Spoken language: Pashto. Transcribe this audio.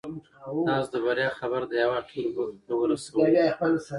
تاسو د بریا خبر د هیواد ټولو برخو ته ورسوئ.